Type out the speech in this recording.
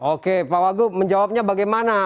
oke pak wagub menjawabnya bagaimana